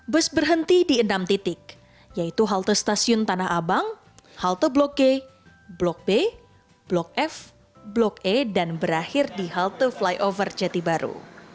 bus berhenti di enam titik yaitu halte stasiun tanah abang halte blok g blok b blok f blok e dan berakhir di halte flyover jati baru